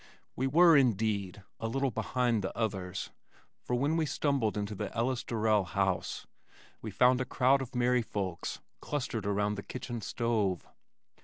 We were, indeed, a little behind the others for when we stumbled into the Ellis Durrell house we found a crowd of merry folks clustered about the kitchen stove.